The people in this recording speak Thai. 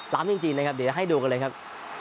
จริงนะครับเดี๋ยวให้ดูกันเลยครับ